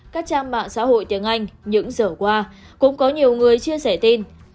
các trang mạng xã hội tiếng anh những giờ qua cũng có nhiều người chia sẻ tin